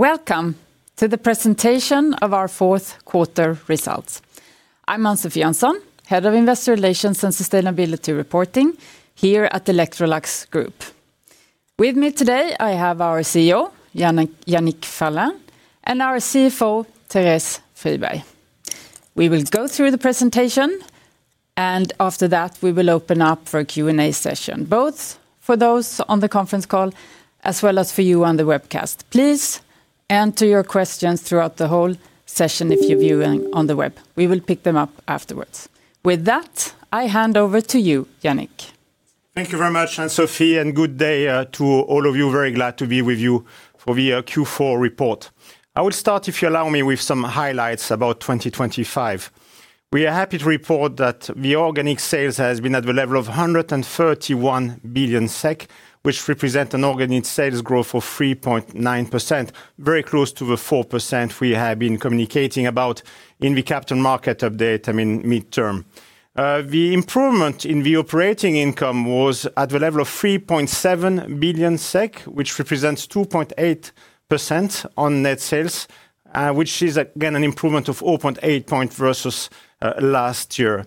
...Welcome to the presentation of our Q4 results. I'm Ann-Sofi Jönsson, Head of Investor Relations and Sustainability Reporting here at Electrolux Group. With me today, I have our CEO, Yannick, Yannick Fierling, and our CFO, Therese Friberg. We will go through the presentation, and after that, we will open up for a Q&A session, both for those on the conference call as well as for you on the webcast. Please enter your questions throughout the whole session if you're viewing on the web. We will pick them up afterwards. With that, I hand over to you, Yannick. Thank you very much, Ann-Sofi, and good day to all of you. Very glad to be with you for the Q4 report. I will start, if you allow me, with some highlights about 2025. We are happy to report that the organic sales has been at the level of 131 billion SEK, which represent an organic sales growth of 3.9%, very close to the 4% we have been communicating about in the capital market update, I mean, midterm. The improvement in the operating income was at the level of 3.7 billion SEK, which represents 2.8% on net sales, which is again, an improvement of 0.8 point versus last year.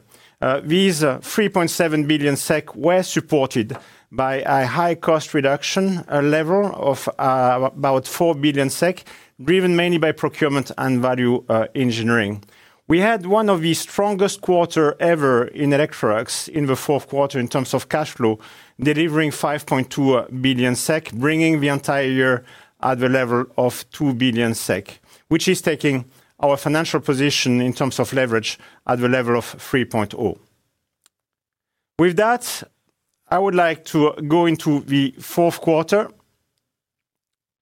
These 3.7 billion SEK were supported by a high cost reduction, a level of about 4 billion SEK, driven mainly by procurement and value engineering. We had one of the strongest quarter ever in Electrolux in the Q4 in terms of cash flow, delivering 5.2 billion SEK, bringing the entire year at the level of 2 billion SEK, which is taking our financial position in terms of leverage at the level of 3.0. With that, I would like to go into the Q4.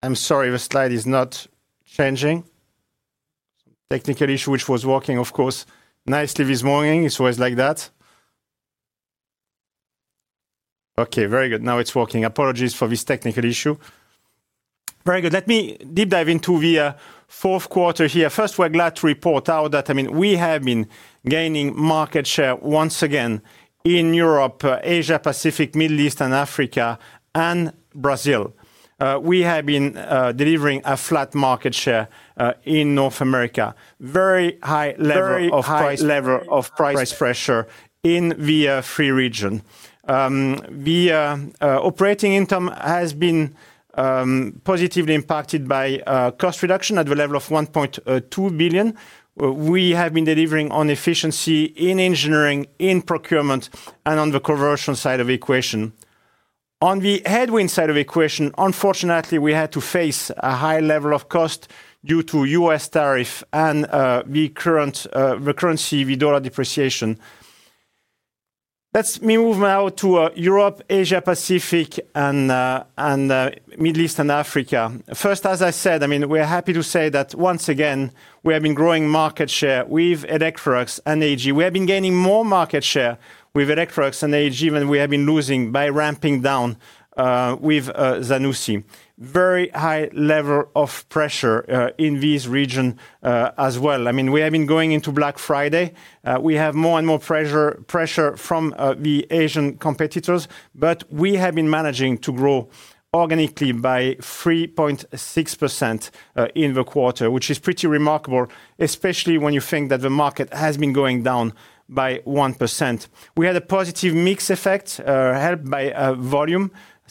I'm sorry, the slide is not changing. Technical issue, which was working, of course, nicely this morning. It's always like that. Okay, very good. Now it's working. Apologies for this technical issue. Very good. Let me deep dive into the Q4 here. First, we're glad to report out that, I mean, we have been gaining market share once again in Europe, Asia Pacific, Middle East and Africa, and Brazil. We have been delivering a flat market share in North America. Very high level of price pressure in the EMEA region. The operating income has been positively impacted by cost reduction at the level of 1.2 billion. We have been delivering on efficiency in engineering, in procurement, and on the conversion side of equation. On the headwind side of equation, unfortunately, we had to face a high level of cost due to U.S. tariff and the currency, the dollar depreciation. Let me move now to Europe, Asia Pacific and and Middle East and Africa. First, as I said, I mean, we're happy to say that once again, we have been growing market share with Electrolux and AEG. We have been gaining more market share with Electrolux and AEG than we have been losing by ramping down with Zanussi. Very high level of pressure in this region as well. I mean, we have been going into Black Friday. We have more and more pressure, pressure from the Asian competitors, but we have been managing to grow organically by 3.6% in the quarter, which is pretty remarkable, especially when you think that the market has been going down by 1%. We had a positive mix effect, helped by a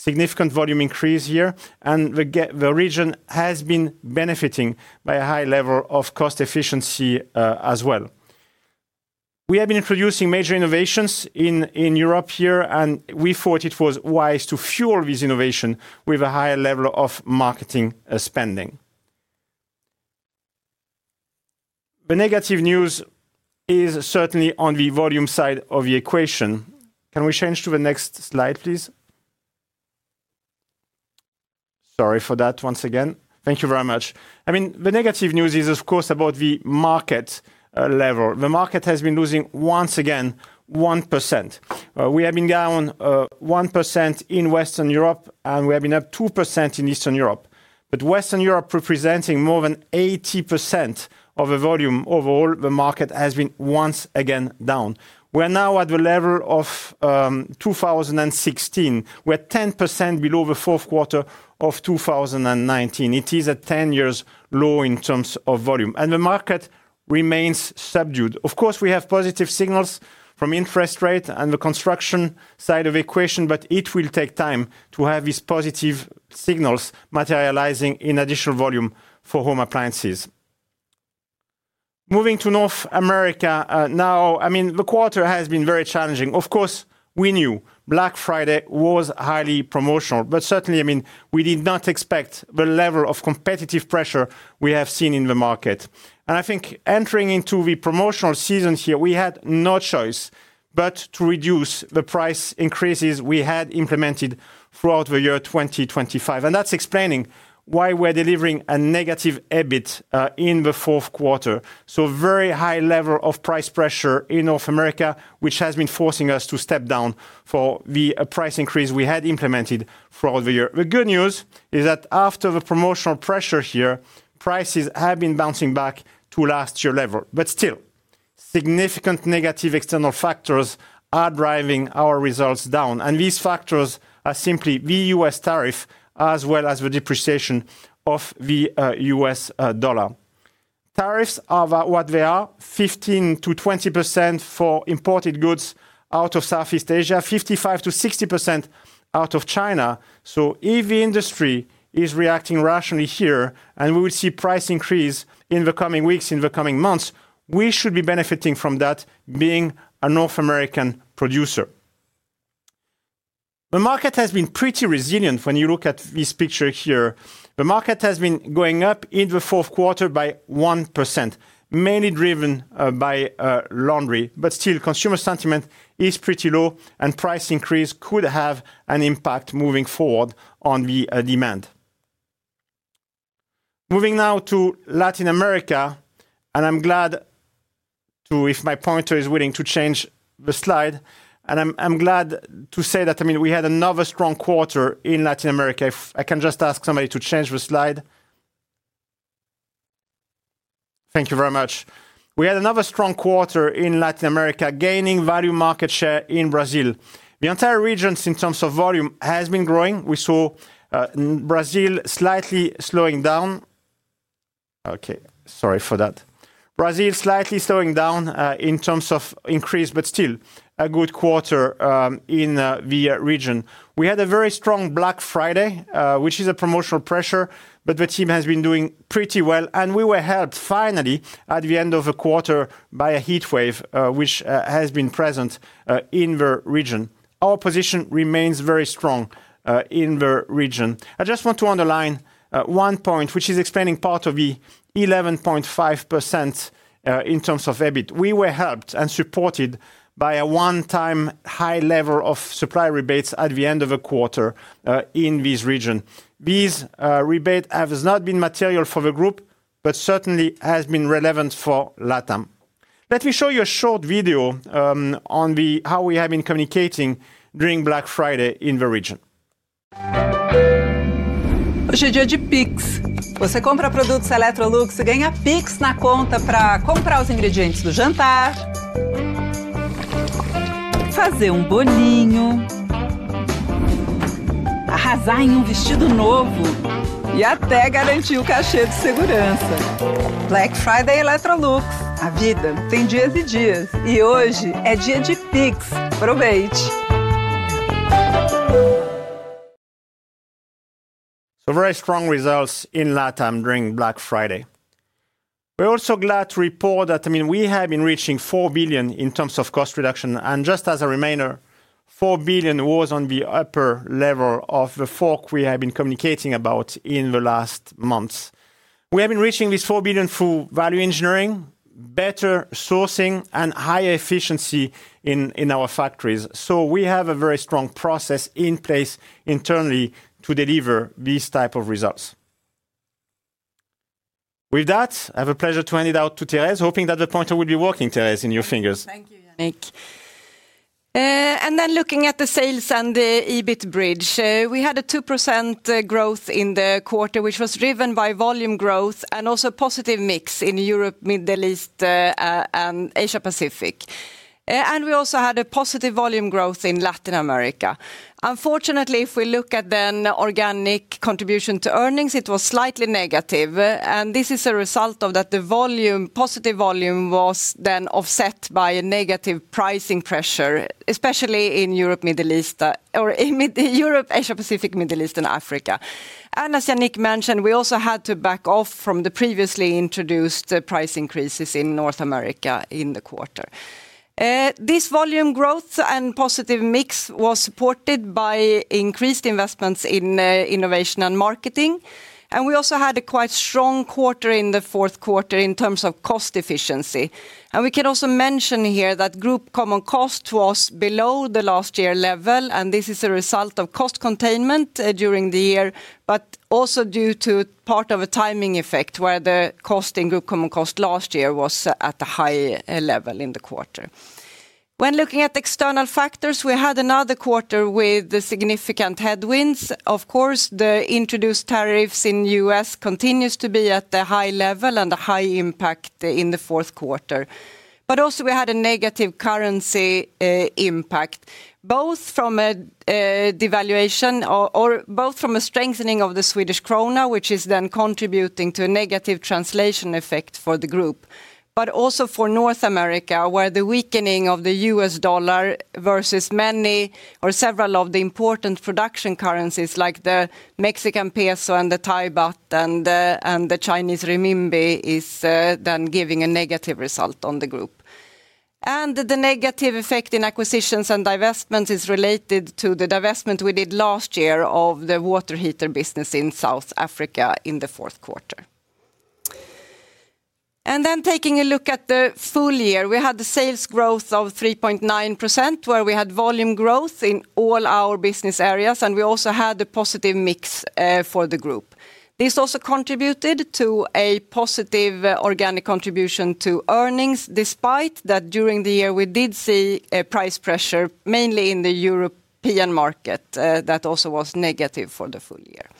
significant volume increase here, and the region has been benefiting by a high level of cost efficiency as well. We have been introducing major innovations in Europe here, and we thought it was wise to fuel this innovation with a higher level of marketing spending. The negative news is certainly on the volume side of the equation. Can we change to the next slide, please? Sorry for that once again. Thank you very much. I mean, the negative news is, of course, about the market level. The market has been losing, once again, 1%. We have been down 1% in Western Europe, and we have been up 2% in Eastern Europe. But Western Europe, representing more than 80% of the volume overall, the market has been once again down. We're now at the level of 2016, we're 10% below the Q4 of 2019. It is a ten-year low in terms of volume, and the market remains subdued. Of course, we have positive signals from interest rate and the construction side of equation, but it will take time to have these positive signals materializing in additional volume for home appliances. Moving to North America, now, I mean, the quarter has been very challenging. Of course, we knew Black Friday was highly promotional, but certainly, I mean, we did not expect the level of competitive pressure we have seen in the market. And I think entering into the promotional season here, we had no choice but to reduce the price increases we had implemented throughout the year 2025, and that's explaining why we're delivering a negative EBIT in the Q4. So very high level of price pressure in North America, which has been forcing us to step down for the price increase we had implemented for all the year. The good news is that after the promotional pressure here, prices have been bouncing back to last year level, but still, significant negative external factors are driving our results down, and these factors are simply the U.S. tariff, as well as the depreciation of the U.S. dollar. Tariffs are what they are, 15%-20% for imported goods out of Southeast Asia, 55%-60% out of China. So if the industry is reacting rationally here, and we will see price increase in the coming weeks, in the coming months, we should be benefiting from that being a North American producer. The market has been pretty resilient when you look at this picture here. The market has been going up in the Q4 by 1%, mainly driven by laundry. But still, consumer sentiment is pretty low, and price increase could have an impact moving forward on the demand. Moving now to Latin America, and I'm glad to—if my pointer is willing to change the slide, and I'm glad to say that, I mean, we had another strong quarter in Latin America. If I can just ask somebody to change the slide. Thank you very much. We had another strong quarter in Latin America, gaining value market share in Brazil. The entire region, in terms of volume, has been growing. We saw Brazil slightly slowing down. Okay, sorry for that. Brazil slightly slowing down in terms of increase, but still a good quarter in the region. We had a very strong Black Friday, which is a promotional pressure, but the team has been doing pretty well, and we were helped finally, at the end of the quarter, by a heatwave, which has been present in the region. Our position remains very strong in the region. I just want to underline one point, which is explaining part of the 11.5% in terms of EBIT. We were helped and supported by a one-time high level of supply rebates at the end of the quarter in this region. These rebate has not been material for the group, but certainly has been relevant for LATAM. Let me show you a short video on how we have been communicating during Black Friday in the region. So very strong results in LATAM during Black Friday. We're also glad to report that, I mean, we have been reaching 4 billion in terms of cost reduction, and just as a reminder, 4 billion was on the upper level of the fork we have been communicating about in the last months. We have been reaching this 4 billion through value engineering, better sourcing, and higher efficiency in our factories. So we have a very strong process in place internally to deliver these type of results. With that, I have the pleasure to hand it over to Therese, hoping that the pointer will be working, Therese, in your fingers. Thank you, Yannick. And then looking at the sales and the EBIT bridge. We had a 2% growth in the quarter, which was driven by volume growth and also positive mix in Europe, Middle East, and Asia Pacific. And we also had a positive volume growth in Latin America. Unfortunately, if we look at then organic contribution to earnings, it was slightly negative, and this is a result of that the volume, positive volume was then offset by a negative pricing pressure, especially in Europe, Middle East or in Mid- Europe, Asia Pacific, Middle East, and Africa. And as Yannick mentioned, we also had to back off from the previously introduced, price increases in North America in the quarter. This volume growth and positive mix was supported by increased investments in innovation and marketing, and we also had a quite strong quarter in the Q4 in terms of cost efficiency. We can also mention here that group common cost was below the last year level, and this is a result of cost containment during the year, but also due to part of a timing effect, where the cost in group common cost last year was at a high level in the quarter. When looking at external factors, we had another quarter with significant headwinds. Of course, the introduced tariffs in the U.S. continues to be at a high level and a high impact in the Q4. But also, we had a negative currency impact, both from a devaluation or both from a strengthening of the Swedish krona, which is then contributing to a negative translation effect for the group, but also for North America, where the weakening of the U.S. dollar versus many or several of the important production currencies, like the Mexican peso and the Thai baht and the Chinese renminbi, is then giving a negative result on the group. And the negative effect in acquisitions and divestments is related to the divestment we did last year of the water heater business in South Africa in the Q4. And then taking a look at the full year, we had the sales growth of 3.9%, where we had volume growth in all our business areas, and we also had a positive mix for the group. This also contributed to a positive organic contribution to earnings, despite that during the year, we did see a price pressure, mainly in the European market, that also was negative for the full year.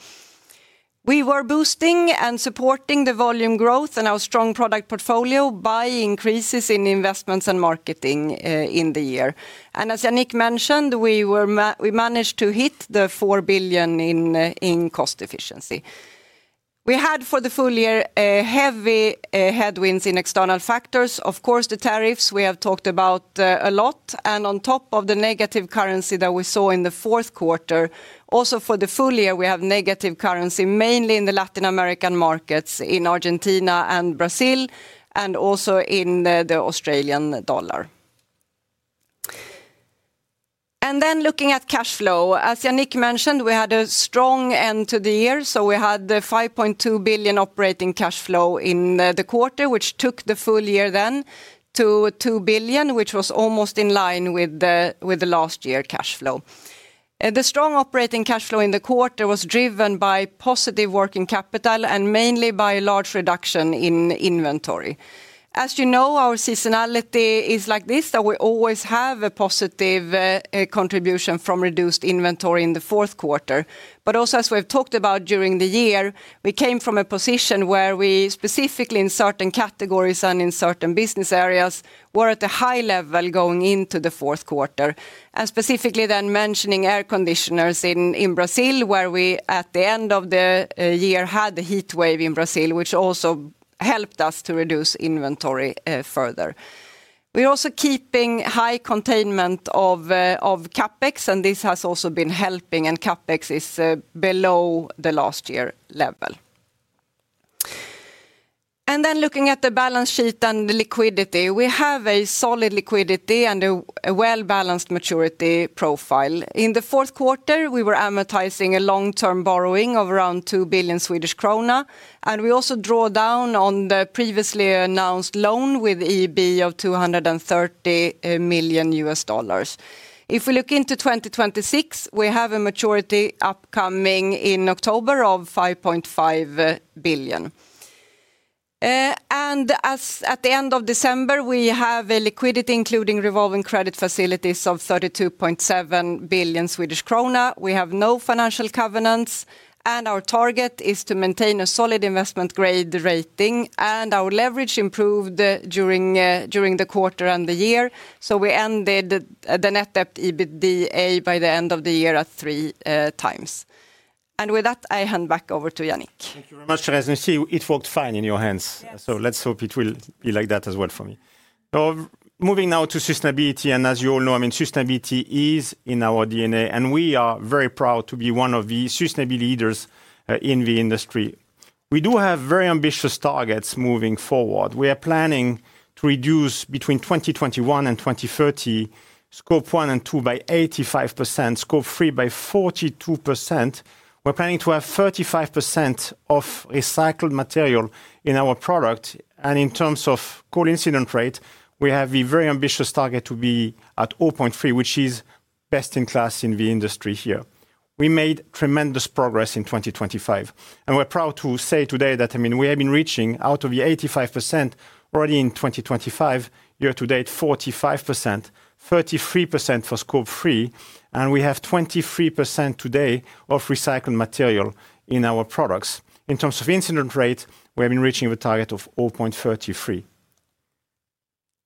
We were boosting and supporting the volume growth and our strong product portfolio by increases in investments and marketing, in the year. And as Yannick mentioned, we managed to hit 4 billion in cost efficiency. We had, for the full year, heavy headwinds in external factors. Of course, the tariffs, we have talked about, a lot, and on top of the negative currency that we saw in the Q4, also for the full year, we have negative currency, mainly in the Latin American markets, in Argentina and Brazil, and also in the Australian dollar. Then looking at cash flow, as Yannick mentioned, we had a strong end to the year, so we had the 5.2 billion operating cash flow in the quarter, which took the full year then to 2 billion, which was almost in line with the last year's cash flow. The strong operating cash flow in the quarter was driven by positive working capital and mainly by a large reduction in inventory. As you know, our seasonality is like this, that we always have a positive contribution from reduced inventory in the Q4. But also, as we've talked about during the year, we came from a position where we, specifically in certain categories and in certain business areas, were at a high level going into the Q4, and specifically then mentioning air conditioners in Brazil, where we, at the end of the year, had a heat wave in Brazil, which also helped us to reduce inventory further. We're also keeping high containment of CapEx, and this has also been helping, and CapEx is below the last year level. And then looking at the balance sheet and the liquidity, we have a solid liquidity and a well-balanced maturity profile. In the Q4, we were amortizing a long-term borrowing of around 2 billion Swedish krona, and we also draw down on the previously announced loan with EIB of $230 million. If we look into 2026, we have a maturity upcoming in October of 5.5 billion. And as at the end of December, we have a liquidity, including revolving credit facilities of 32.7 billion Swedish krona. We have no financial covenants, and our target is to maintain a solid investment grade rating, and our leverage improved during the quarter and the year. So we ended the net debt EBITDA by the end of the year at three times. And with that, I hand back over to Yannick. Thank you very much, Therese. See, it worked fine in your hands. Yes. So let's hope it will be like that as well for me. Moving now to sustainability, and as you all know, I mean, sustainability is in our DNA, and we are very proud to be one of the sustainability leaders in the industry. We do have very ambitious targets moving forward. We are planning to reduce between 2021 and 2030, Scope 1 and 2 by 85%, Scope 3 by 42%. We're planning to have 35% of recycled material in our product. In terms of Case Incident Rate, we have a very ambitious target to be at 0.3, which is best in class in the industry here. We made tremendous progress in 2025, and we're proud to say today that, I mean, we have been reaching out to the 85% already in 2025, year to date, 45%, 33% for Scope 3, and we have 23% today of recycled material in our products. In terms of incident rate, we have been reaching the target of 0.33.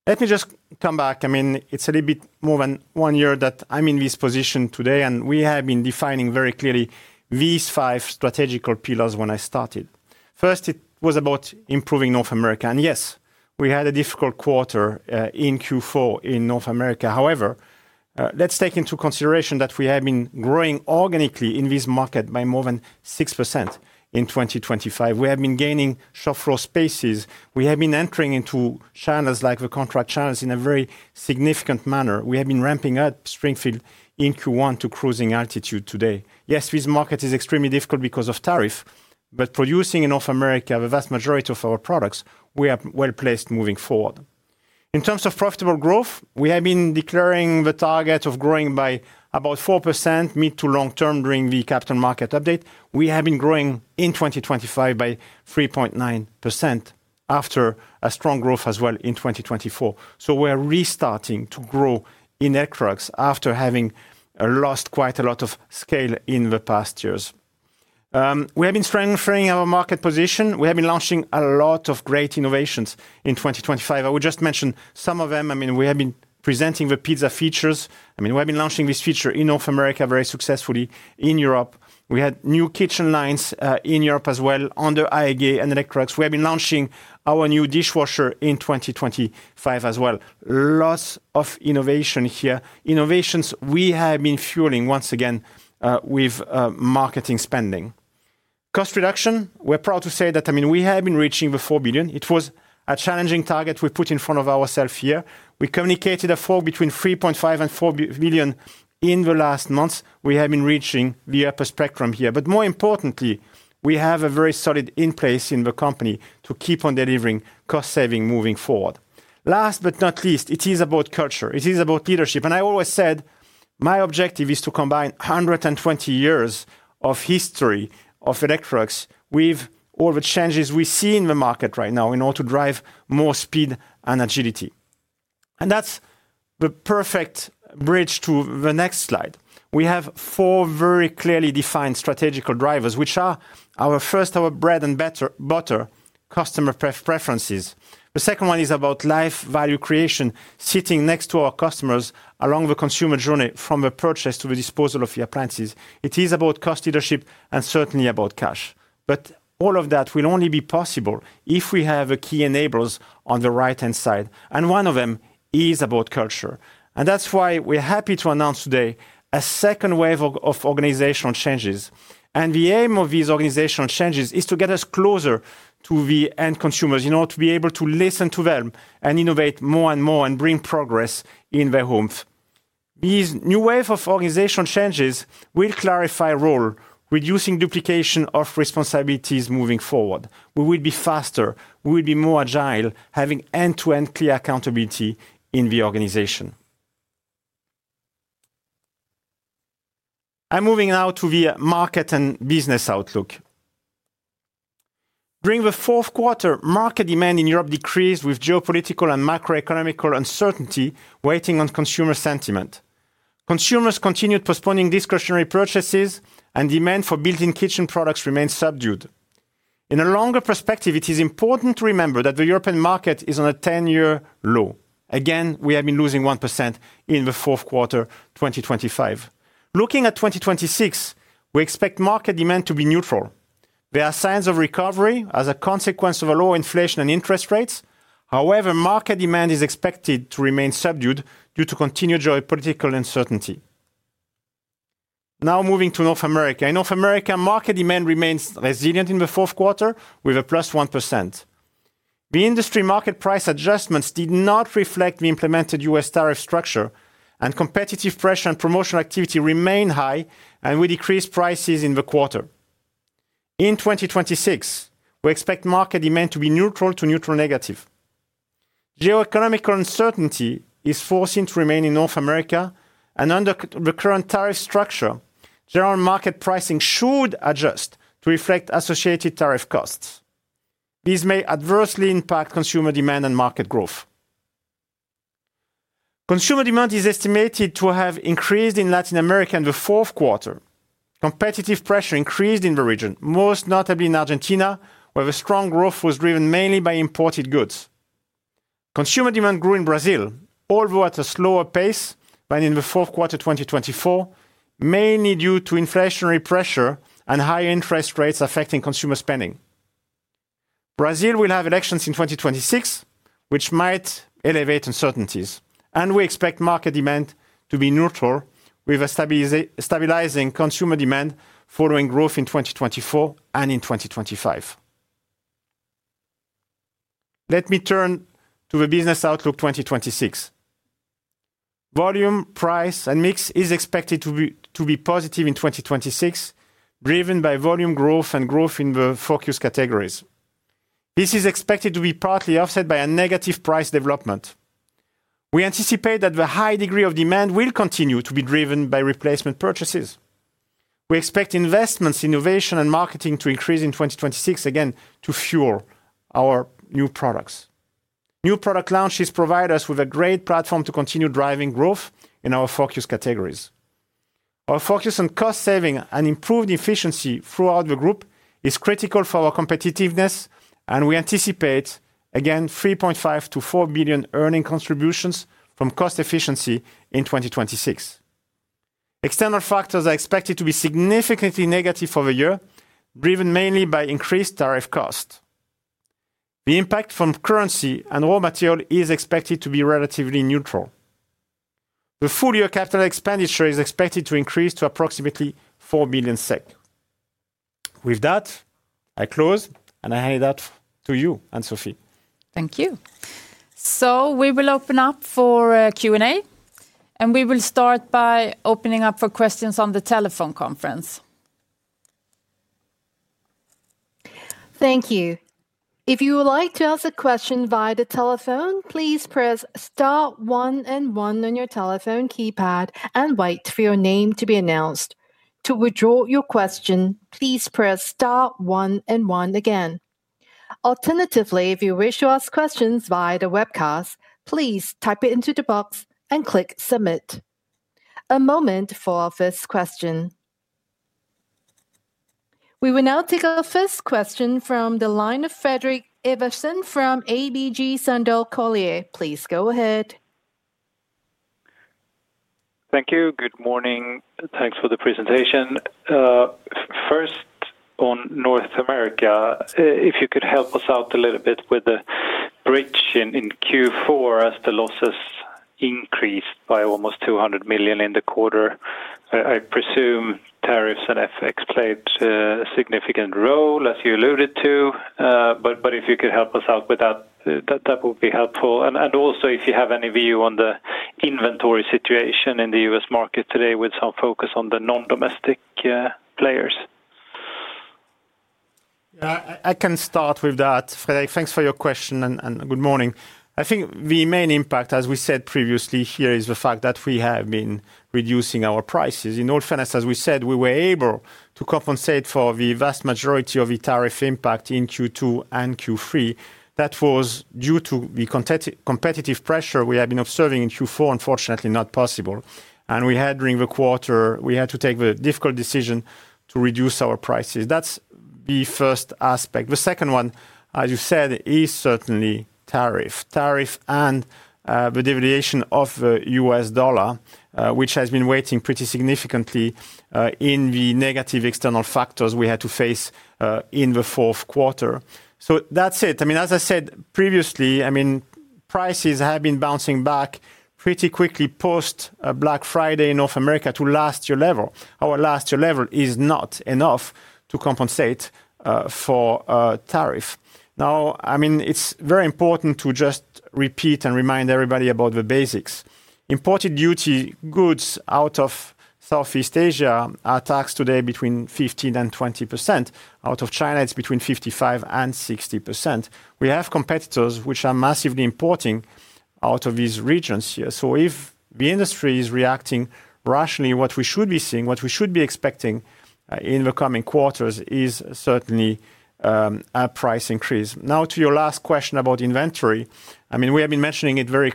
Let me just come back. I mean, it's a little bit more than one year that I'm in this position today, and we have been defining very clearly these five strategical pillars when I started. First, it was about improving North America. And yes, we had a difficult quarter in Q4 in North America. However, let's take into consideration that we have been growing organically in this market by more than 6% in 2025. We have been gaining shelf space. We have been entering into channels, like the contract channels, in a very significant manner. We have been ramping up Springfield in Q1 to cruising altitude today. Yes, this market is extremely difficult because of tariff, but producing in North America, the vast majority of our products, we are well-placed moving forward. In terms of profitable growth, we have been declaring the target of growing by about 4% mid- to long-term during the Capital Market Update. We have been growing in 2025 by 3.9%, after a strong growth as well in 2024. So we are restarting to grow in Electrolux after having lost quite a lot of scale in the past years. We have been strengthening our market position. We have been launching a lot of great innovations in 2025. I will just mention some of them. I mean, we have been presenting the pizza features. I mean, we have been launching this feature in North America very successfully. In Europe, we had new kitchen lines, in Europe as well, under AEG and Electrolux. We have been launching our new dishwasher in 2025 as well. Lots of innovation here. Innovations we have been fueling once again, with marketing spending. Cost reduction, we're proud to say that, I mean, we have been reaching the 4 billion. It was a challenging target we put in front of ourself here. We communicated a fall between 3.5 billion and 4 billion in the last months. We have been reaching the upper spectrum here. But more importantly, we have a very solid in place in the company to keep on delivering cost saving moving forward. Last but not least, it is about culture, it is about leadership. I always said, my objective is to combine 120 years of history of Electrolux with all the changes we see in the market right now in order to drive more speed and agility. And that's the perfect bridge to the next slide. We have four very clearly defined strategic drivers, which are our first, our bread and butter, customer preferences. The second one is about lifetime value creation, sitting next to our customers along the consumer journey, from the purchase to the disposal of the appliances. It is about cost leadership and certainly about cash. But all of that will only be possible if we have key enablers on the right-hand side, and one of them is about culture. That's why we're happy to announce today a second wave of organizational changes. The aim of these organizational changes is to get us closer to the end consumers, in order to be able to listen to them and innovate more and more and bring progress in their homes. These new wave of organizational changes will clarify role, reducing duplication of responsibilities moving forward. We will be faster, we will be more agile, having end-to-end clear accountability in the organization. I'm moving now to the market and business outlook. During the Q4, market demand in Europe decreased, with geopolitical and macroeconomic uncertainty weighing on consumer sentiment. Consumers continued postponing discretionary purchases, and demand for built-in kitchen products remained subdued. In a longer perspective, it is important to remember that the European market is on a 10-year low. Again, we have been losing 1% in the Q4, 2025. Looking at 2026, we expect market demand to be neutral. There are signs of recovery as a consequence of a lower inflation and interest rates. However, market demand is expected to remain subdued due to continued geopolitical uncertainty. Now moving to North America. In North America, market demand remains resilient in the Q4, with a +1%. The industry market price adjustments did not reflect the implemented US tariff structure, and competitive pressure and promotional activity remained high, and we decreased prices in the quarter. In 2026, we expect market demand to be neutral to neutral negative. Geoeconomic uncertainty is forcing to remain in North America, and under the current tariff structure, general market pricing should adjust to reflect associated tariff costs. These may adversely impact consumer demand and market growth. Consumer demand is estimated to have increased in Latin America in the Q4. Competitive pressure increased in the region, most notably in Argentina, where the strong growth was driven mainly by imported goods. Consumer demand grew in Brazil, although at a slower pace than in the Q4, 2024, mainly due to inflationary pressure and high interest rates affecting consumer spending. Brazil will have elections in 2026, which might elevate uncertainties, and we expect market demand to be neutral, with a stabilizing consumer demand following growth in 2024 and in 2025. Let me turn to the business outlook, 2026. Volume, price, and mix is expected to be, to be positive in 2026, driven by volume growth and growth in the focus categories. This is expected to be partly offset by a negative price development. We anticipate that the high degree of demand will continue to be driven by replacement purchases. We expect investments, innovation, and marketing to increase in 2026, again, to fuel our new products. New product launches provide us with a great platform to continue driving growth in our focus categories. Our focus on cost saving and improved efficiency throughout the group is critical for our competitiveness, and we anticipate, again, 3.5 billion-4 billion earning contributions from cost efficiency in 2026. External factors are expected to be significantly negative for the year, driven mainly by increased tariff costs. The impact from currency and raw material is expected to be relatively neutral. The full-year capital expenditure is expected to increase to approximately 4 billion SEK. With that, I close, and I hand it out to you, Ann-Sofi. Thank you. So we will open up for Q&A, and we will start by opening up for questions on the telephone conference. Thank you. If you would like to ask a question via the telephone, please press star one and one on your telephone keypad and wait for your name to be announced. To withdraw your question, please press star one and one again. Alternatively, if you wish to ask questions via the webcast, please type it into the box and click Submit. A moment for our first question. We will now take our first question from the line of Fredrik Ivarsson from ABG Sundal Collier. Please go ahead. Thank you. Good morning. Thanks for the presentation. First, on North America, if you could help us out a little bit with the bridge in Q4, as the losses increased by almost $200 million in the quarter. I presume tariffs and FX played a significant role, as you alluded to, but if you could help us out with that, that would be helpful. Also, if you have any view on the inventory situation in the U.S. market today, with some focus on the non-domestic players? I can start with that. Fred, thanks for your question, and good morning. I think the main impact, as we said previously here, is the fact that we have been reducing our prices. In all fairness, as we said, we were able to compensate for the vast majority of the tariff impact in Q2 and Q3. That was due to the competitive pressure we have been observing in Q4, unfortunately not possible. And during the quarter, we had to take the difficult decision to reduce our prices. That's the first aspect. The second one, as you said, is certainly tariff. Tariff and the devaluation of U.S. dollar, which has been weighing pretty significantly in the negative external factors we had to face in the Q4. So that's it. I mean, as I said previously, I mean, prices have been bouncing back pretty quickly post Black Friday in North America to last year level. Our last year level is not enough to compensate for tariff. Now, I mean, it's very important to just repeat and remind everybody about the basics. Imported duty goods out of Southeast Asia are taxed today between 15%-20%. Out of China, it's between 55%-60%. We have competitors which are massively importing out of these regions here. So if the industry is reacting rationally, what we should be seeing, what we should be expecting in the coming quarters is certainly a price increase. Now, to your last question about inventory, I mean, we have been mentioning it very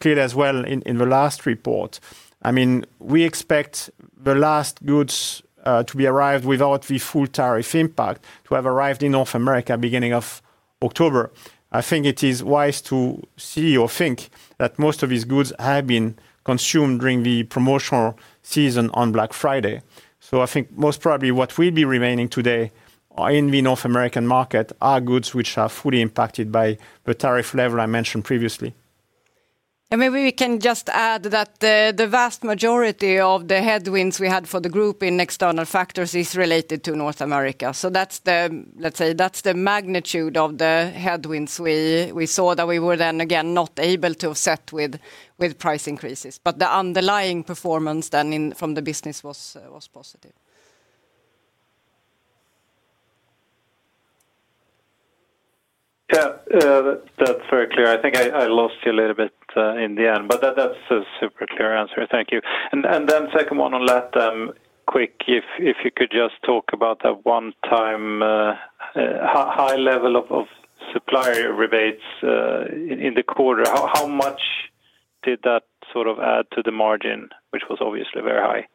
clear as well in the last report. I mean, we expect the last goods to be arrived without the full tariff impact, to have arrived in North America, beginning of October. I think it is wise to see or think that most of these goods have been consumed during the promotional season on Black Friday. So I think most probably what will be remaining today in the North American market, are goods which are fully impacted by the tariff level I mentioned previously. Maybe we can just add that the vast majority of the headwinds we had for the group in external factors is related to North America. That's the—let's say, that's the magnitude of the headwinds we saw that we were then again not able to offset with price increases. But the underlying performance then in, from the business was positive. Yeah, that, that's very clear. I think I lost you a little bit in the end, but that's a super clear answer. Thank you. And then second one on LATAM, quick, if you could just talk about that one time, high level of supplier rebates in the quarter. How much did that sort of add to the margin, which was obviously very high?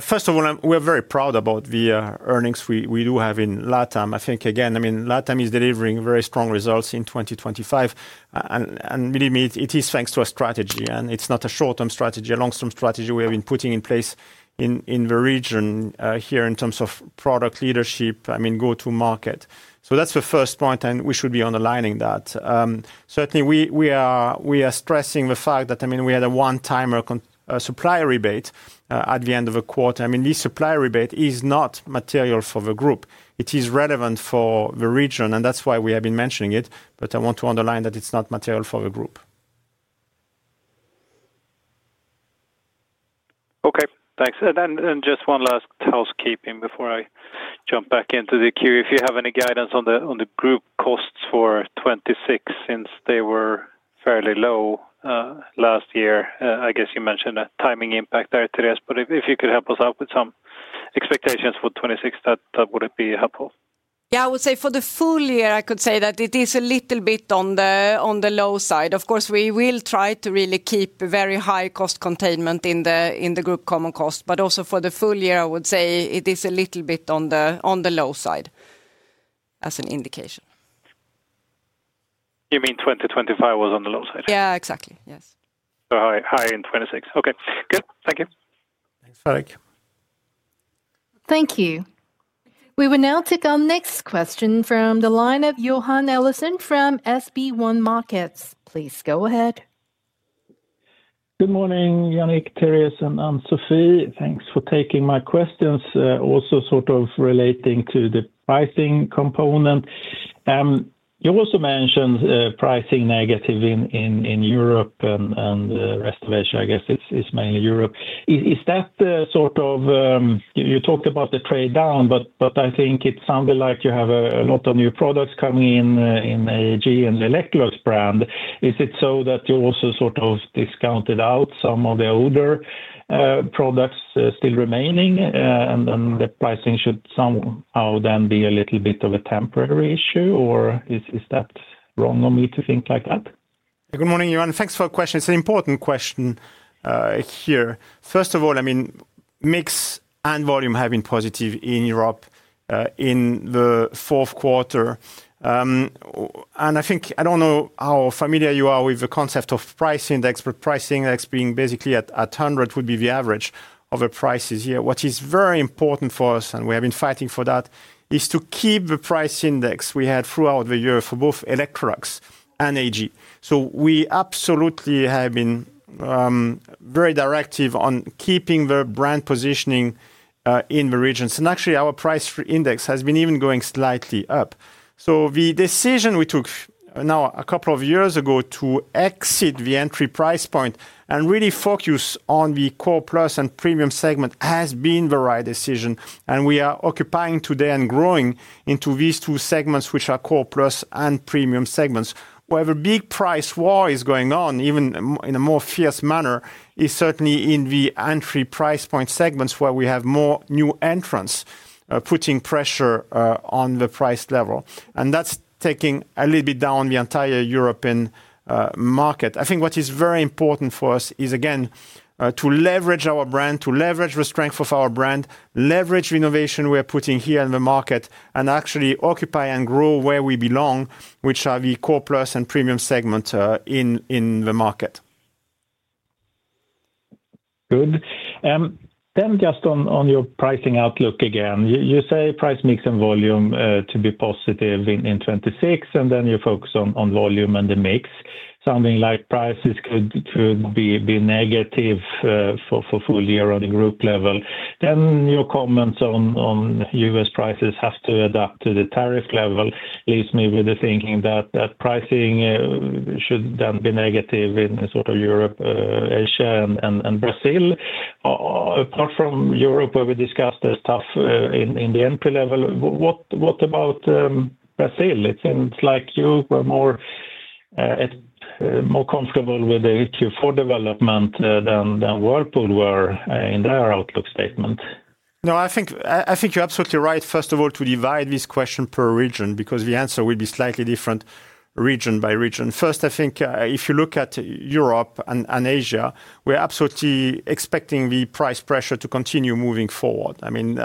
First of all, I'm-- we're very proud about the earnings we do have in LATAM. I think, again, I mean, LATAM is delivering very strong results in 2025, and believe me, it is thanks to our strategy, and it's not a short-term strategy, a long-term strategy we have been putting in place in the region here, in terms of product leadership, I mean, go-to-market. So that's the first point, and we should be underlining that. Certainly, we are stressing the fact that, I mean, we had a one-time supplier rebate at the end of the quarter. I mean, this supplier rebate is not material for the group. It is relevant for the region, and that's why we have been mentioning it, but I want to underline that it's not material for the group. Okay, thanks. And then, just one last housekeeping before I jump back into the queue. If you have any guidance on the group costs for 2026, since they were fairly low last year. I guess you mentioned a timing impact there, Therese, but if you could help us out with some expectations for 2026, that would be helpful. Yeah, I would say for the full year, I could say that it is a little bit on the, on the low side. Of course, we will try to really keep a very high cost containment in the, in the group common cost, but also for the full year, I would say it is a little bit on the, on the low side, as an indication. You mean 2025 was on the low side? Yeah, exactly. Yes. High, high in 2026. Okay, good. Thank you. Thanks, Eric. Thank you. We will now take our next question from the line of Johan Eliason from SB1 Markets. Please go ahead. Good morning, Yannick, Therese and Sofi. Thanks for taking my questions, also sort of relating to the pricing component. You also mentioned pricing negative in Europe and rest of Asia. I guess it's mainly Europe. Is that the sort of... You talked about the trade down, but I think it sounded like you have a lot of new products coming in in AEG and the Electrolux brand. Is it so that you also sort of discounted out some of the older products still remaining, and the pricing should somehow then be a little bit of a temporary issue, or is that wrong of me to think like that? Good morning, Johan. Thanks for the question. It's an important question here. First of all, I mean, mix and volume have been positive in Europe in the Q4. And I think... I don't know how familiar you are with the concept of price index, but price index being basically at 100 would be the average of a prices here. What is very important for us, and we have been fighting for that, is to keep the price index we had throughout the year for both Electrolux and AEG. So we absolutely have been very directive on keeping the brand positioning in the regions. And actually, our price index has been even going slightly up. So the decision we took now, a couple of years ago, to exit the entry price point and really focus on the core plus and premium segment, has been the right decision, and we are occupying today and growing into these two segments, which are core plus and premium segments. Where the big price war is going on, even in a more fierce manner, is certainly in the entry price point segments, where we have more new entrants putting pressure on the price level. And that's taking a little bit down the entire European market. I think what is very important for us is, again, to leverage our brand, to leverage the strength of our brand, leverage innovation we are putting here in the market, and actually occupy and grow where we belong, which are the core plus and premium segment, in, in the market. Good. Then just on your pricing outlook again, you say price, mix, and volume to be positive in 2026, and then you focus on volume and the mix, sounding like prices could be negative for full year on the group level. Then your comments on U.S. prices have to adapt to the tariff level leaves me with the thinking that pricing should then be negative in sort of Europe, Asia, and Brazil. Apart from Europe, where we discussed the stuff in the entry level, what about Brazil? It seems like you were more comfortable with the Q4 development than Whirlpool were in their outlook statement. No, I think you're absolutely right, first of all, to divide this question per region, because the answer will be slightly different region by region. First, I think, if you look at Europe and Asia, we're absolutely expecting the price pressure to continue moving forward. I mean,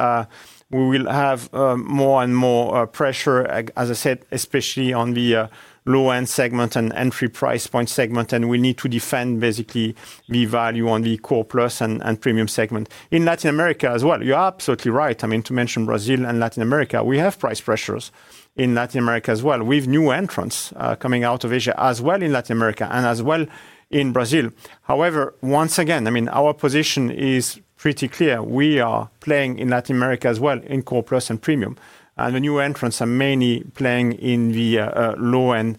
we will have more and more pressure, as I said, especially on the low-end segment and entry price point segment, and we need to defend basically the value on the core plus and premium segment. In Latin America as well, you're absolutely right. I mean, to mention Brazil and Latin America, we have price pressures in Latin America as well. We have new entrants coming out of Asia, as well in Latin America and as well in Brazil. However, once again, I mean, our position is pretty clear. We are playing in Latin America as well, in core plus and premium, and the new entrants are mainly playing in the low-end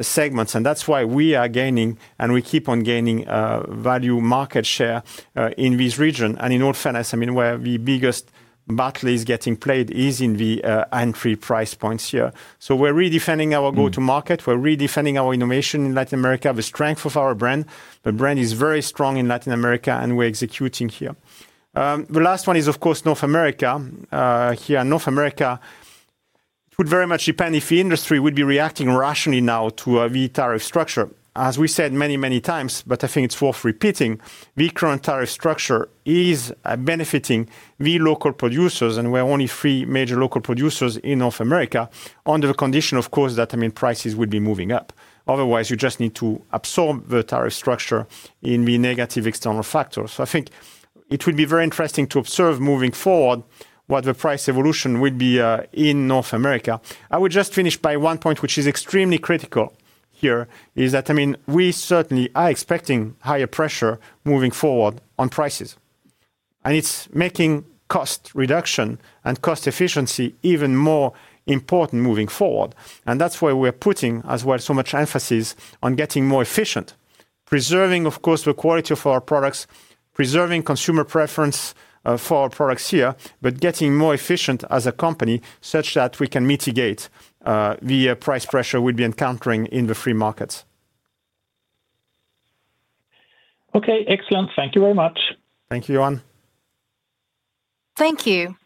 segments, and that's why we are gaining, and we keep on gaining value market share in this region. And in all fairness, I mean, where the biggest battle is getting played is in the entry price points here. So we're redefining our go-to-market, we're redefining our innovation in Latin America, the strength of our brand. The brand is very strong in Latin America, and we're executing here. The last one is, of course, North America. Here in North America, it would very much depend if the industry would be reacting rationally now to the tariff structure. As we said many, many times, but I think it's worth repeating, the current tariff structure is benefiting the local producers, and we're only three major local producers in North America, under the condition, of course, that, I mean, prices would be moving up. Otherwise, you just need to absorb the tariff structure in the negative external factors. So I think it would be very interesting to observe moving forward what the price evolution would be in North America. I would just finish by one point, which is extremely critical here, is that, I mean, we certainly are expecting higher pressure moving forward on prices, and it's making cost reduction and cost efficiency even more important moving forward. That's why we're putting, as well, so much emphasis on getting more efficient, preserving, of course, the quality of our products, preserving consumer preference for our products here, but getting more efficient as a company such that we can mitigate the price pressure we'd be encountering in the free markets. Okay, excellent. Thank you very much. Thank you, Johan. Thank you.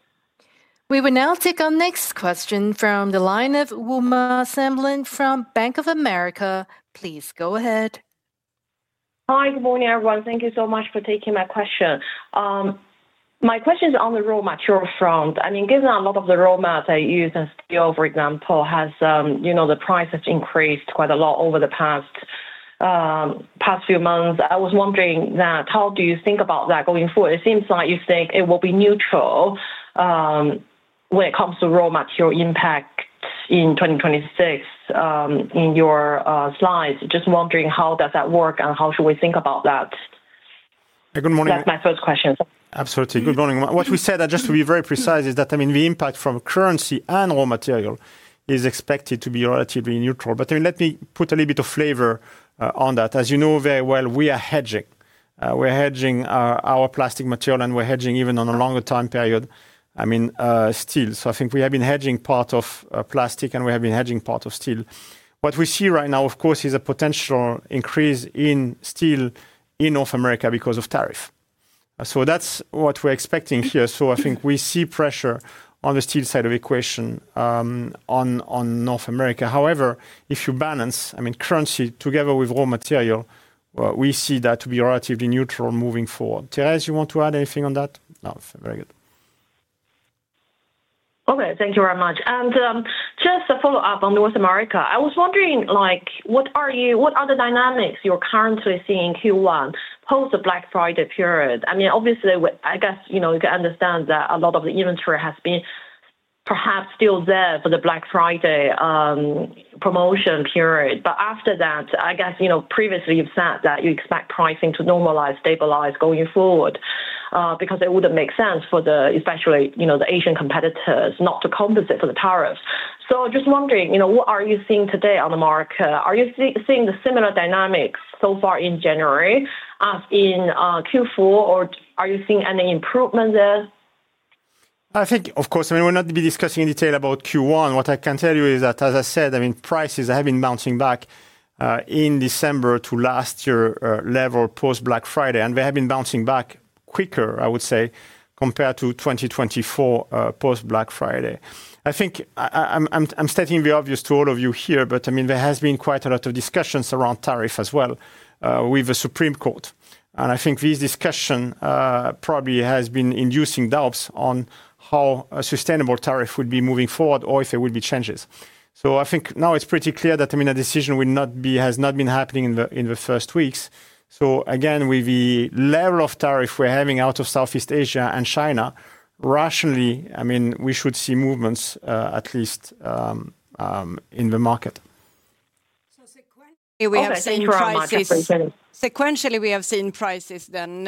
We will now take our next question from the line of Uma Samlin from Bank of America. Please go ahead. Hi, good morning, everyone. Thank you so much for taking my question. My question is on the raw material front. I mean, given a lot of the raw material used in steel, for example, has, you know, the price has increased quite a lot over the past few months, I was wondering, how do you think about that going forward? It seems like you think it will be neutral, when it comes to raw material impact in 2026, in your slides. Just wondering, how does that work, and how should we think about that? Good morning- That's my first question. Absolutely. Good morning. What we said, just to be very precise, is that, I mean, the impact from currency and raw material is expected to be relatively neutral. But, I mean, let me put a little bit of flavor on that. As you know very well, we are hedging. We're hedging our plastic material, and we're hedging even on a longer time period, I mean, steel. So I think we have been hedging part of plastic, and we have been hedging part of steel. What we see right now, of course, is a potential increase in steel in North America because of tariff. So that's what we're expecting here. So I think we see pressure on the steel side of equation on North America. However, if you balance, I mean, currency together with raw material, we see that to be relatively neutral moving forward. Therese, you want to add anything on that? No. Very good. Okay. Thank you very much. Just a follow-up on North America. I was wondering, like, what are the dynamics you're currently seeing in Q1 post the Black Friday period? I mean, obviously, I guess, you know, you can understand that a lot of the inventory has been perhaps still there for the Black Friday promotion period. But after that, I guess, you know, previously you've said that you expect pricing to normalize, stabilize going forward, because it wouldn't make sense for the, especially, you know, the Asian competitors not to compensate for the tariffs. So just wondering, you know, what are you seeing today on the market? Are you seeing the similar dynamics so far in January as in Q4, or are you seeing any improvement there? I think, of course, I mean, we're not going to be discussing in detail about Q1. What I can tell you is that, as I said, I mean, prices have been bouncing back in December to last year level post-Black Friday, and they have been bouncing back quicker, I would say, compared to 2024 post-Black Friday. I think I'm stating the obvious to all of you here, but, I mean, there has been quite a lot of discussions around tariff as well with the Supreme Court. And I think this discussion probably has been inducing doubts on how a sustainable tariff would be moving forward or if there will be changes. So I think now it's pretty clear that, I mean, a decision will not be, has not been happening in the first weeks. So again, with the level of tariff we're having out of Southeast Asia and China, rationally, I mean, we should see movements, at least, in the market. Sequentially, we have seen prices- Thank you very much. Appreciate it. Sequentially, we have seen prices, then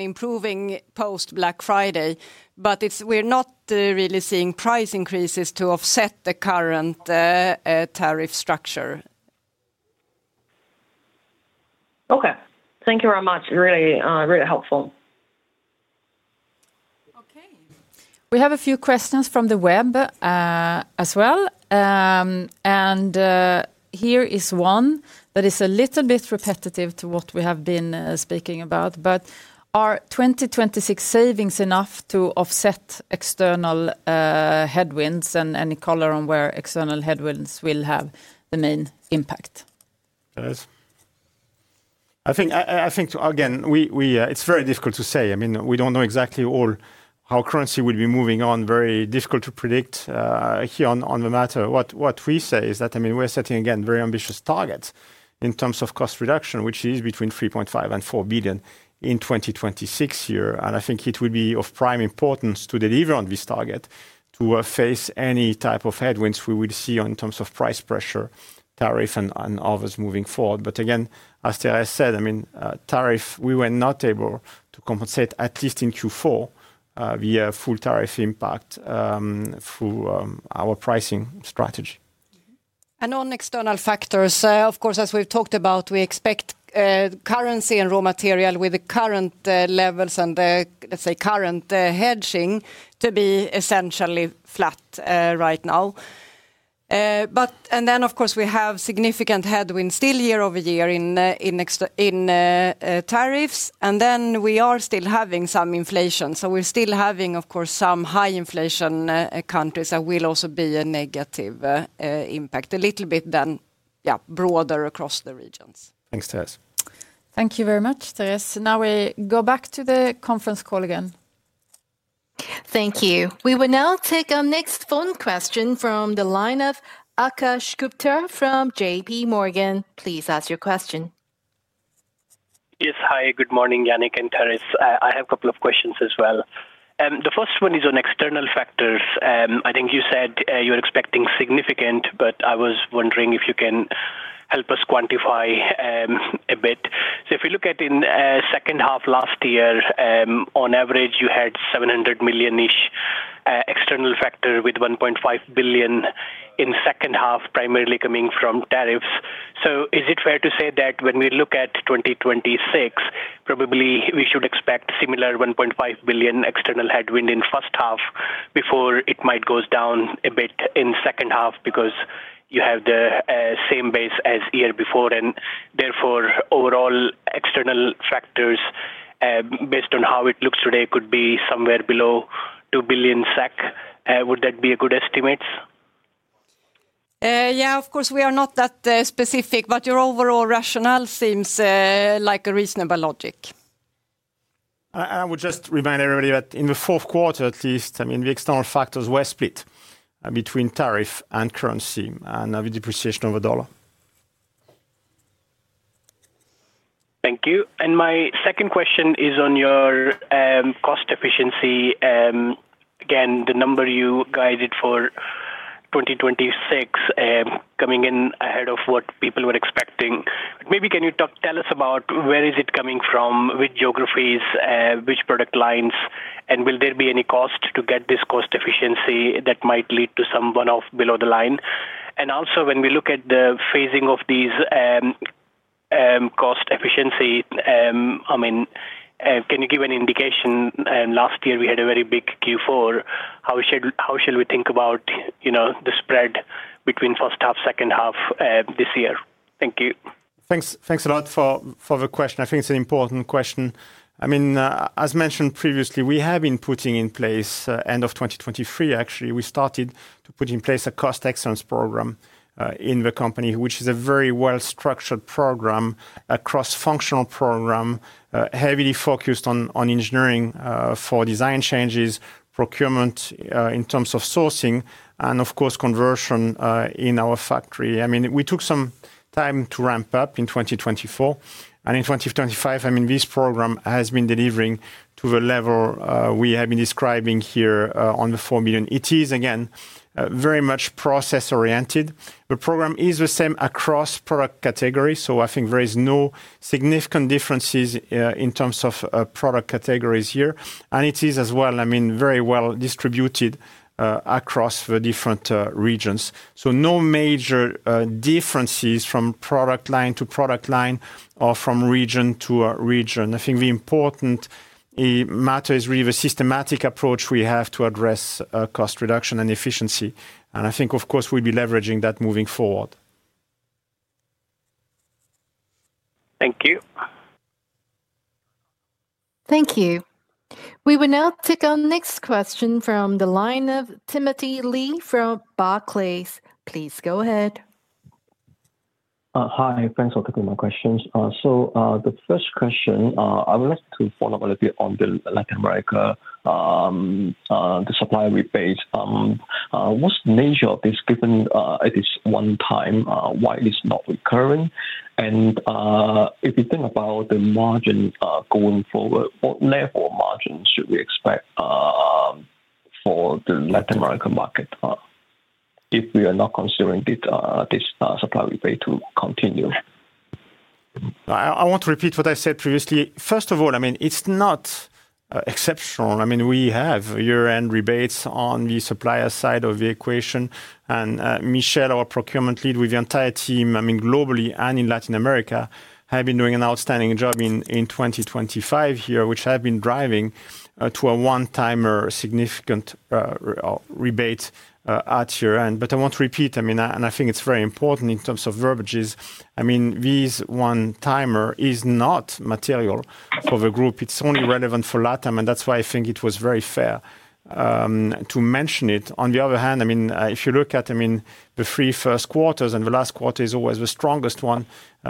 improving post-Black Friday, but it's, we're not really seeing price increases to offset the current tariff structure. Okay. Thank you very much. Really, really helpful. Okay. We have a few questions from the web, as well. Here is one that is a little bit repetitive to what we have been speaking about, but, "Are 2026 savings enough to offset external headwinds, and any color on where external headwinds will have the main impact? Yes. I think, again, we... It's very difficult to say. I mean, we don't know exactly or how currency will be moving on, very difficult to predict, here on the matter. What we say is that, I mean, we're setting, again, very ambitious targets in terms of cost reduction, which is between 3.5 billion-4 billion in 2026. I think it will be of prime importance to deliver on this target to face any type of headwinds we will see on terms of price pressure, tariff, and others moving forward. But again, as Therese said, I mean, tariff, we were not able to compensate, at least in Q4, via full tariff impact, through our pricing strategy. On external factors, of course, as we've talked about, we expect currency and raw material with the current levels and the, let's say, current hedging to be essentially flat right now. But then, of course, we have significant headwinds still year-over-year in tariffs, and then we are still having some inflation. So we're still having, of course, some high inflation countries that will also be a negative impact. A little bit, then, yeah, broader across the regions. Thanks, Therese. Thank you very much, Therese. Now we go back to the conference call again. Thank you. We will now take our next phone question from the line of Akash Gupta from J.P. Morgan. Please ask your question. Yes. Hi, good morning, Yannick and Therese. I have a couple of questions as well, and the first one is on external factors. I think you said you're expecting significant, but I was wondering if you can help us quantify a bit. So if you look at in second half last year, on average, you had 700 million-ish external factor with 1.5 billion in second half, primarily coming from tariffs. So is it fair to say that when we look at 2026, probably we should expect similar 1.5 billion external headwind in first half before it might goes down a bit in second half because you have the same base as year before, and therefore, overall external factors, based on how it looks today, could be somewhere below 2 billion SEK. Would that be a good estimate? Yeah, of course, we are not that specific, but your overall rationale seems like a reasonable logic. I would just remind everybody that in the Q4 at least, I mean, the external factors were split between tariff and currency and the depreciation of the U.S. dollar. Thank you. And my second question is on your, cost efficiency. Again, the number you guided for 2026, coming in ahead of what people were expecting. Maybe can you talk, tell us about where is it coming from, which geographies, which product lines, and will there be any cost to get this cost efficiency that might lead to some one-off below the line? And also, when we look at the phasing of these, cost efficiency, I mean, can you give an indication? And last year we had a very big Q4. How should, how should we think about, you know, the spread between first half, second half, this year? Thank you. Thanks, thanks a lot for, for the question. I think it's an important question. I mean, as mentioned previously, we have been putting in place, end of 2023, actually, we started to put in place a cost excellence program, in the company, which is a very well-structured program, a cross-functional program, heavily focused on, on engineering, for design changes, procurement, in terms of sourcing, and of course, conversion, in our factory. I mean, we took some time to ramp up in 2024. In 2025, I mean, this program has been delivering to the level, we have been describing here, on the 4 million. It is, again, very much process-oriented. The program is the same across product categories, so I think there is no significant differences, in terms of, product categories here. It is as well, I mean, very well distributed across the different regions. No major differences from product line to product line or from region to region. I think the important matter is really the systematic approach we have to address cost reduction and efficiency. I think, of course, we'll be leveraging that moving forward. Thank you. Thank you. We will now take our next question from the line of Timothy Lee from Barclays. Please go ahead. Hi, thanks for taking my questions. So, the first question, I would like to follow up a little on the Latin America, the supplier rebates. What's the nature of this, given it is one time, why it is not recurring? And, if you think about the margin, going forward, what level of margin should we expect, for the Latin American market, if we are not considering this, this supplier rebate to continue? I want to repeat what I said previously. First of all, I mean, it's not exceptional. I mean, we have year-end rebates on the supplier side of the equation. And Michelle, our procurement lead, with the entire team, I mean, globally and in Latin America, have been doing an outstanding job in 2025 here, which have been driving to a one-timer significant rebate at year-end. But I want to repeat, I mean, and I think it's very important in terms of verbiage, I mean, this one-timer is not material for the group. It's only relevant for LATAM, and that's why I think it was very fair to mention it. On the other hand, I mean, if you look at, I mean, the three Q1, and the last quarter is always the strongest one,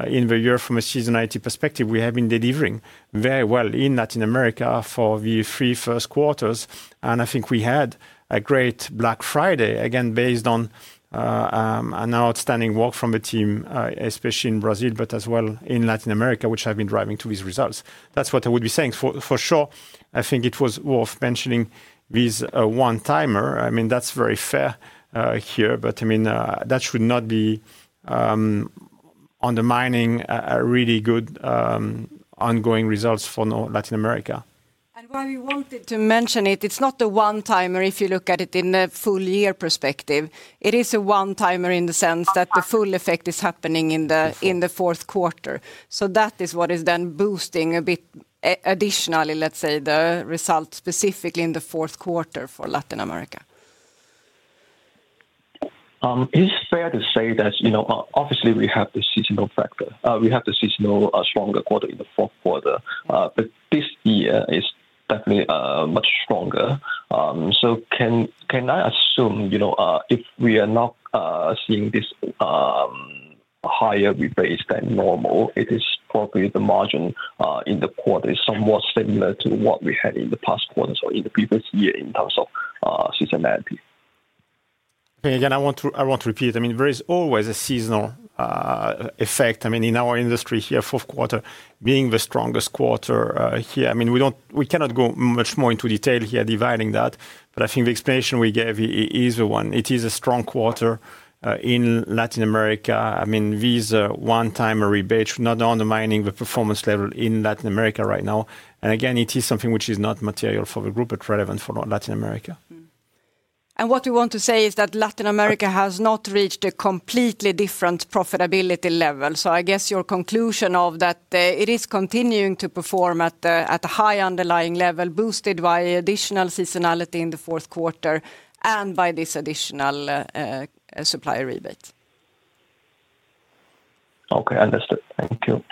in the year from a seasonality perspective, we have been delivering very well in Latin America for the three Q1. And I think we had a great Black Friday, again, based on, an outstanding work from the team, especially in Brazil, but as well in Latin America, which have been driving to these results. That's what I would be saying. For, for sure, I think it was worth mentioning this, one-timer. I mean, that's very fair, here, but, I mean, that should not be, undermining a, a really good, ongoing results for Latin America. Why we wanted to mention it, it's not a one-timer if you look at it in a full year perspective. It is a one-timer in the sense that the full effect is happening in the- Fourth... in the Q4. So that is what is then boosting a bit, additionally, let's say, the results specifically in the Q4 for Latin America. Is it fair to say that, you know, obviously, we have the seasonal factor, we have the seasonal, stronger quarter in the Q4, but this year is definitely, much stronger. So can, can I assume, you know, if we are not, seeing this, higher rebates than normal, it is probably the margin, in the quarter is somewhat similar to what we had in the past quarters or in the previous year in terms of, seasonality? Again, I want to, I want to repeat, I mean, there is always a seasonal effect. I mean, in our industry here, Q4 being the strongest quarter, here. I mean, we don't-- we cannot go much more into detail here dividing that, but I think the explanation we gave is the one. It is a strong quarter in Latin America. I mean, this one-time rebate should not undermining the performance level in Latin America right now. And again, it is something which is not material for the group, but relevant for Latin America. Mm-hmm. And what we want to say is that Latin America has not reached a completely different profitability level. So I guess your conclusion of that, it is continuing to perform at a high underlying level, boosted by additional seasonality in the Q4 and by this additional supplier rebate. Okay, understood. Thank you.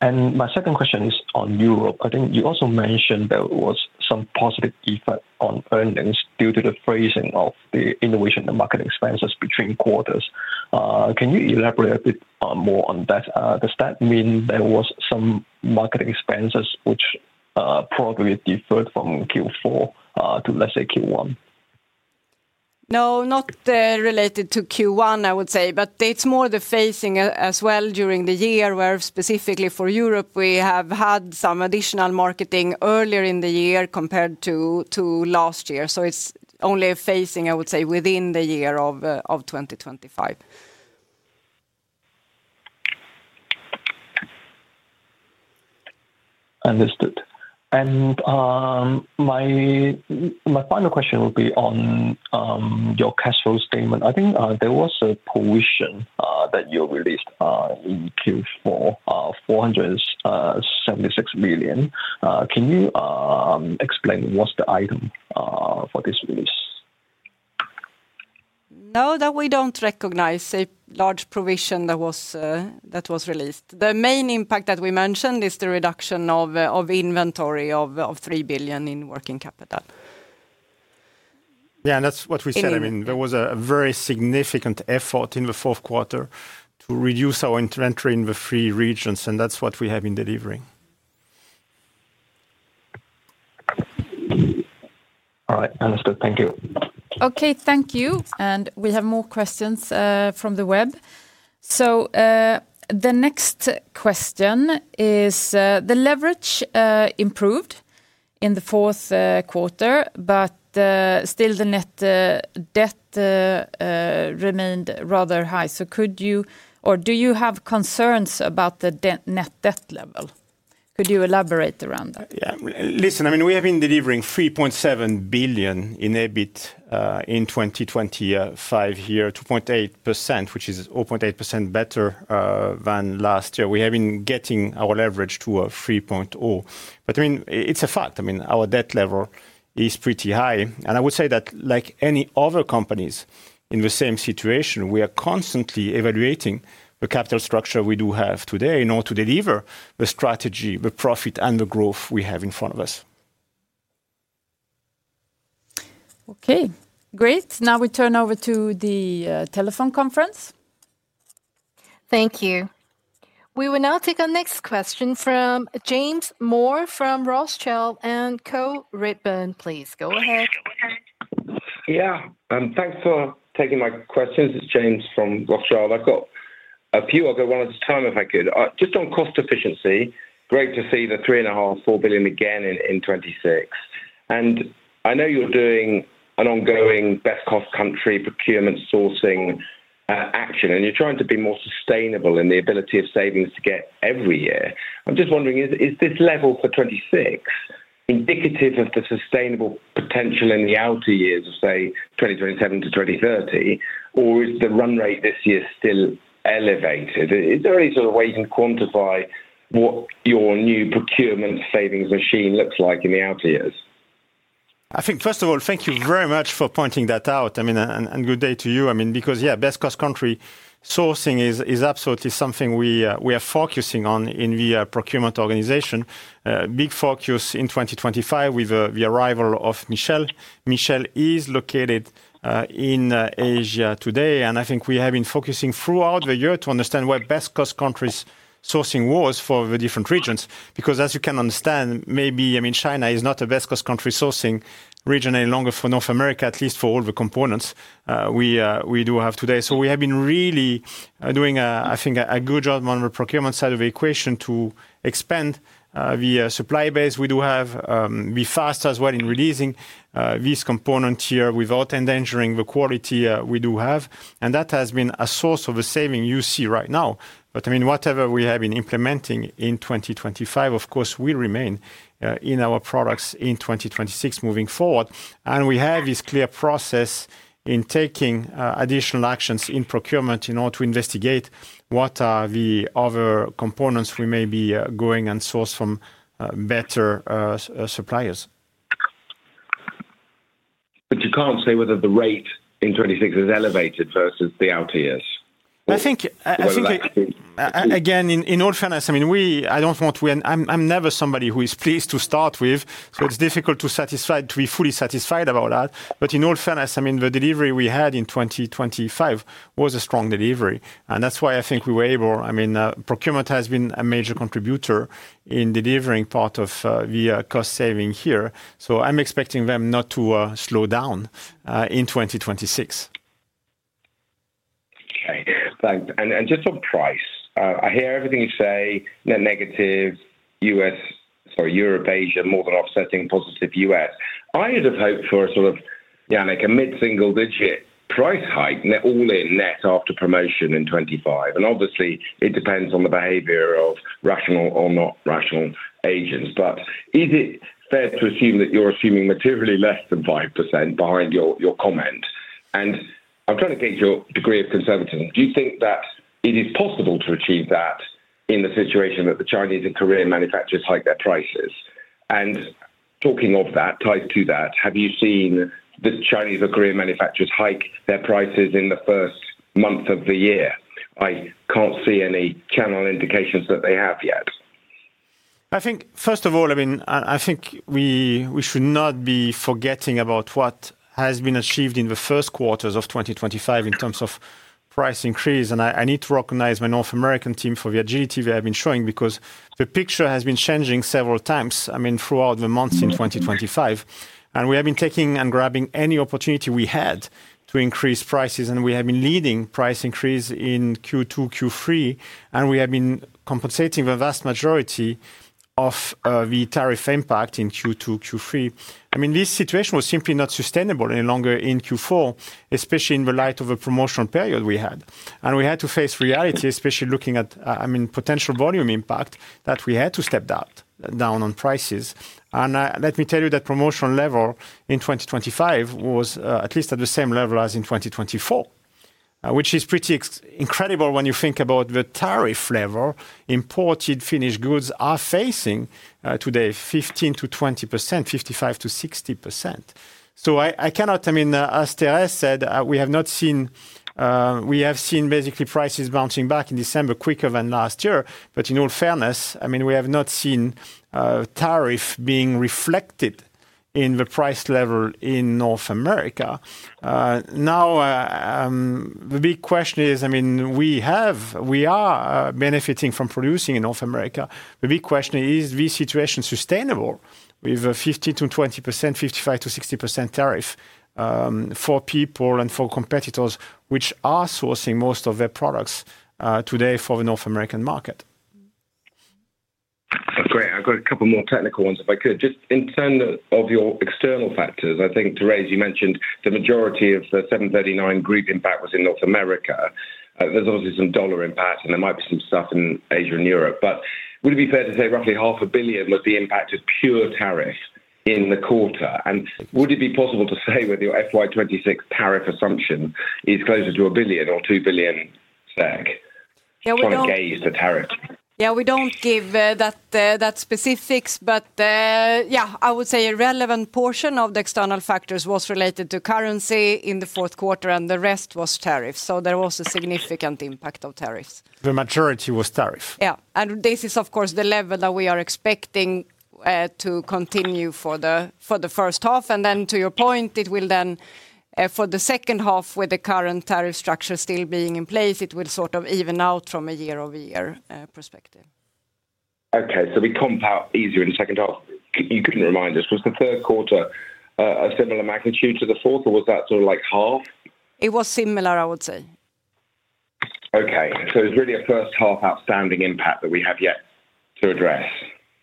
And my second question is on Europe. I think you also mentioned there was some positive effect on earnings due to the phasing of the innovation and marketing expenses between quarters. Can you elaborate a bit more on that? Does that mean there was some marketing expenses which probably deferred from Q4 to, let's say, Q1? No, not related to Q1, I would say, but it's more the phasing as well during the year, where specifically for Europe, we have had some additional marketing earlier in the year compared to last year. So it's only a phasing, I would say, within the year of 2025. Understood. And my final question would be on your cash flow statement. I think there was a provision that you released in Q4, 476 million. Can you explain what's the item for this release? No, that we don't recognize a large provision that was released. The main impact that we mentioned is the reduction of inventory of 3 billion in working capital. Yeah, and that's what we said. Mm-hmm. I mean, there was a very significant effort in the Q4 to reduce our inventory in the three regions, and that's what we have been delivering.... All right, understood. Thank you. Okay, thank you. And we have more questions from the web. So, the next question is, the leverage improved in the Q4, but still the net debt remained rather high. So could you or do you have concerns about the debt, net debt level? Could you elaborate around that? Yeah. Listen, I mean, we have been delivering 3.7 billion in EBIT, in 2025 here, 2.8%, which is 0.8% better, than last year. We have been getting our leverage to a 3.0. But, I mean, it's a fact, I mean, our debt level is pretty high, and I would say that like any other companies in the same situation, we are constantly evaluating the capital structure we do have today in order to deliver the strategy, the profit, and the growth we have in front of us. Okay, great. Now we turn over to the telephone conference. Thank you. We will now take our next question from James Moore from Rothschild & Co Redburn. Please, go ahead. Yeah, thanks for taking my questions. It's James from Rothschild. I've got a few. I'll go one at a time, if I could. Just on cost efficiency, great to see the 3.5 billion-4 billion again in 2026. And I know you're doing an ongoing best cost country procurement sourcing action, and you're trying to be more sustainable in the ability of savings to get every year. I'm just wondering, is this level for 2026 indicative of the sustainable potential in the outer years of, say, 2027 to 2030, or is the run rate this year still elevated? Is there any sort of way you can quantify what your new procurement savings machine looks like in the outer years? I think, first of all, thank you very much for pointing that out. I mean, and good day to you. I mean, because, yeah, best cost country sourcing is absolutely something we are focusing on in the procurement organization. Big focus in 2025 with the arrival of Michelle. Michelle is located in Asia today, and I think we have been focusing throughout the year to understand what best cost countries sourcing was for the different regions. Because as you can understand, maybe, I mean, China is not the best cost country sourcing region any longer for North America, at least for all the components we do have today. So we have been really doing, I think, a good job on the procurement side of the equation to expand the supply base we do have, be fast as well in releasing this component here without endangering the quality we do have. And that has been a source of a saving you see right now. But, I mean, whatever we have been implementing in 2025, of course, will remain in our products in 2026 moving forward. And we have this clear process in taking additional actions in procurement in order to investigate what are the other components we may be going and source from better suppliers. But you can't say whether the rate in 2026 is elevated versus the outer years? I think. Well, that's the- Again, in all fairness, I mean, we... I don't want to, and I'm never somebody who is pleased to start with, so it's difficult to satisfy, to be fully satisfied about that. But in all fairness, I mean, the delivery we had in 2025 was a strong delivery, and that's why I think we were able—I mean, procurement has been a major contributor in delivering part of the cost saving here. So I'm expecting them not to slow down in 2026. Okay, thanks. And just on price, I hear everything you say, net negative US, sorry, Europe, Asia, more than offsetting positive US. I would have hoped for a sort of, yeah, like a mid-single-digit price hike, net, all in net after promotion in 2025. And obviously, it depends on the behavior of rational or not rational agents. But is it fair to assume that you're assuming materially less than 5% behind your comment? And I'm trying to gauge your degree of conservatism. Do you think that it is possible to achieve that in the situation that the Chinese and Korean manufacturers hike their prices? And talking of that, tied to that, have you seen the Chinese or Korean manufacturers hike their prices in the first month of the year? I can't see any channel indications that they have yet. I think, first of all, I mean, I think we should not be forgetting about what has been achieved in the Q1s of 2025 in terms of price increase. I need to recognize my North American team for the agility they have been showing, because the picture has been changing several times, I mean, throughout the months in 2025. We have been taking and grabbing any opportunity we had to increase prices, and we have been leading price increase in Q2, Q3, and we have been compensating the vast majority of the tariff impact in Q2, Q3. I mean, this situation was simply not sustainable any longer in Q4, especially in the light of a promotional period we had. We had to face reality, especially looking at, I mean, potential volume impact, that we had to step that down on prices. Let me tell you, that promotional level in 2025 was, at least at the same level as in 2024, which is pretty incredible when you think about the tariff level imported finished goods are facing, today, 15%-20%, 55%-60%. So I, I cannot... I mean, as Therese said, we have not seen-- we have seen basically prices bouncing back in December quicker than last year. But in all fairness, I mean, we have not seen, tariff being reflected in the price level in North America. Now, the big question is, I mean, we have-- we are benefiting from producing in North America. The big question is: Is this situation sustainable with a 50%-20%, 55%-60% tariff for people and for competitors, which are sourcing most of their products today for the North American market? That's great. I've got a couple more technical ones, if I could. Just in terms of, of your external factors, I think, Therese, you mentioned the majority of the 739 group impact was in North America. There's obviously some dollar impact, and there might be some stuff in Asia and Europe, but would it be fair to say roughly 500 million was the impact of pure tariff in the quarter? And would it be possible to say whether your FY 2026 tariff assumption is closer to a billion or 2 billion SEK? Yeah, we don't- Trying to gauge the tariff. Yeah, we don't give that specifics, but yeah, I would say a relevant portion of the external factors was related to currency in the Q4, and the rest was tariff. So there was a significant impact of tariffs. The majority was tariff. Yeah. And this is, of course, the level that we are expecting to continue for the first half. And then to your point, it will then for the second half, with the current tariff structure still being in place, it will sort of even out from a year-over-year perspective. Okay, so we compound easier in the second half. Could you remind us, was the Q3 a similar magnitude to the fourth, or was that sort of like half? It was similar, I would say. Okay, so it's really a first half outstanding impact that we have yet to address.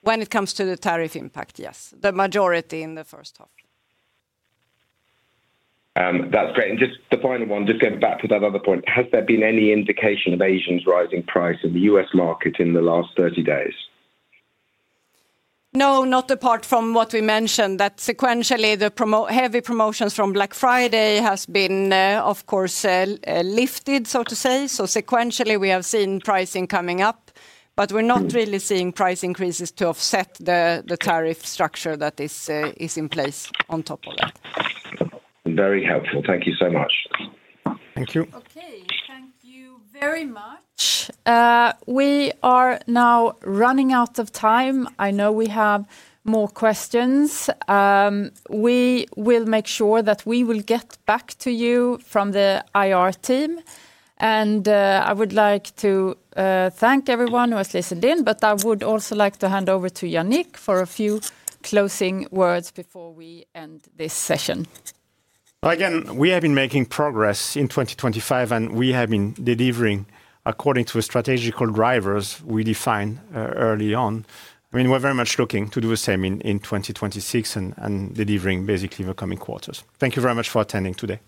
When it comes to the tariff impact, yes, the majority in the first half. That's great. Just the final one, just going back to that other point, has there been any indication of Asians rising price in the U.S. market in the last 30 days? No, not apart from what we mentioned, that sequentially, the promo-heavy promotions from Black Friday has been, of course, lifted, so to say. So sequentially, we have seen pricing coming up, but we're not really seeing price increases to offset the tariff structure that is in place on top of that. Very helpful. Thank you so much. Thank you. Okay, thank you very much. We are now running out of time. I know we have more questions. We will make sure that we will get back to you from the IR team, and I would like to thank everyone who has listened in, but I would also like to hand over to Yannick for a few closing words before we end this session. Again, we have been making progress in 2025, and we have been delivering according to a strategical drivers we defined early on. I mean, we're very much looking to do the same in 2026 and delivering basically in the coming quarters. Thank you very much for attending today.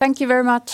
Thank you very much.